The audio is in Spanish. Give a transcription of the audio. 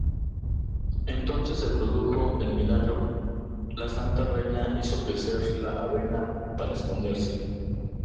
Entonces se produjo el milagro: la santa reina hizo crecer la avena para esconderse.